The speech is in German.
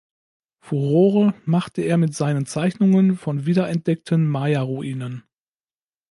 Furore machte er mit seinen Zeichnungen von wiederentdeckten Maya-Ruinen.